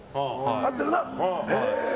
合ってるな。